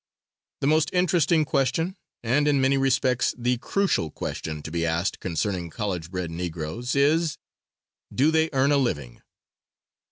The most interesting question, and in many respects the crucial question, to be asked concerning college bred Negroes, is: Do they earn a living?